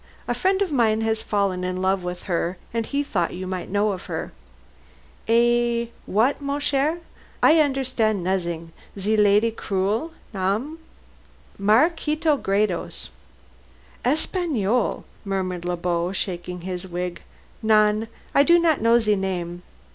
A friend of mine has fallen in love with her, and he thought you might know of her." "Eh, wha a at, mon cher? I understands nozzin'. Ze lady, quel nom?" "Maraquito Gredos." "Espagnole," murmured Le Beau, shaking his wig. "Non. I do not know ze name.